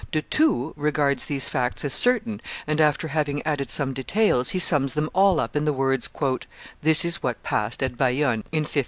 De Thou regards these facts as certain, and, after having added some details, he sums them all up in the words, "This is what passed at Bayonne in 1565."